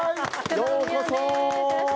ようこそ！